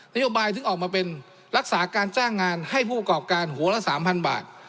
โยบายถึงออกมาเป็นรักษาการจ้างงานให้ผู้ประกอบการหัวละ๓๐๐บาท